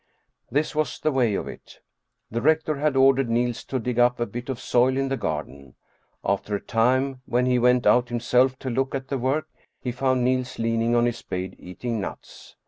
This was the way of it : The rector had ordered Niels to dig up a bit of soil in the garden. After a time when he went out himself to look at the work, he found Niels leaning on his spade eating nuts.